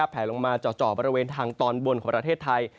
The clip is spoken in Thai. แผลลงมาจ่อบริเวณทางตอนบนของประเทศไทย